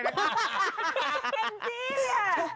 เร็จจริงแหละ